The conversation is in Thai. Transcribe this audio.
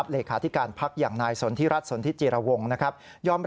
เหลคาทิการภักษ์อย่างนายสนทิรัตน์สนทิจิรวงศ์